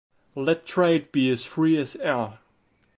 Let trade be as free as air.